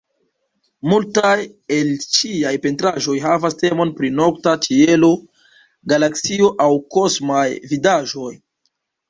Multaj el ŝiaj pentraĵoj havas temon pri nokta ĉielo, galaksio aŭ kosmaj vidaĵoj.